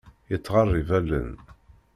Yettɣerrib allen.